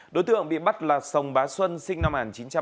đối tượng bị bắt là sông bá xuân sinh năm một nghìn chín trăm bảy mươi chín